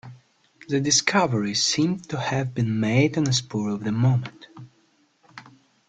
The discovery seemed to have been made on the spur of the moment.